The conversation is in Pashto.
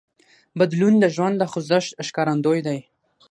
بدلون د ژوند د خوځښت ښکارندوی دی.